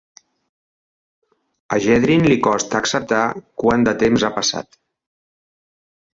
A Gedrin li costa acceptar quant de temps ha passat.